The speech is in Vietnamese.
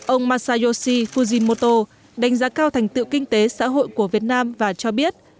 ông masayoshi fujimoto đánh giá cao thành tựu kinh tế xã hội của việt nam và cho biết